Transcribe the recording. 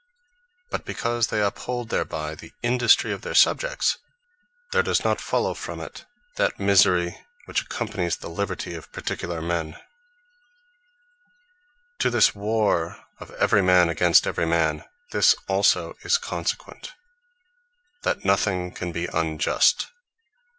But because they uphold thereby, the Industry of their Subjects; there does not follow from it, that misery, which accompanies the Liberty of particular men. In Such A Warre, Nothing Is Unjust To this warre of every man against every man, this also is consequent; that nothing can be Unjust.